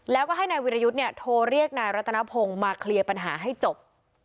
แล้วก็ให้นายวิรยุทธ์เนี่ยโทรเรียกนายรัตนพงศ์มาเคลียร์ปัญหาให้จบ